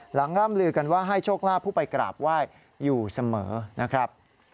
ร่ำลือกันว่าให้โชคลาภผู้ไปกราบไหว้อยู่เสมอนะครับ